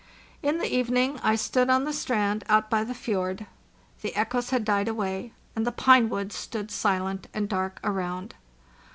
In the evening I stood on the strand out by the fjord. The echoes had died away, and the pine woods stood silent and dark around.